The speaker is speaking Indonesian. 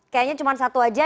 kayaknya cuma satu saja